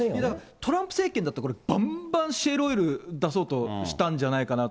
トランプ政権だったら、ばんばんシェールオイル出そうとしたんじゃないかなと。